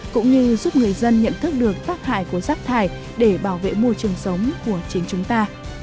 cũng như giúp người dân nhận thức được tác hại của rác thải để bảo vệ môi trường sống của chính chúng ta